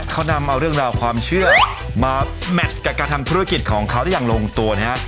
เขานำเอาเรื่องราวความเชื่อมาแมทกับการทำธุรกิจของเขาได้อย่างลงตัวนะฮะ